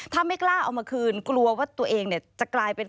ถ้าไม่กล้าเอามาคืนกลัวว่าตัวเองเนี่ยจะกลายเป็น